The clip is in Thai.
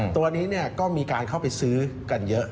ตัวนี้ก็มีการเข้าไปซื้อกันเยอะ